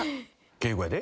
敬語やで。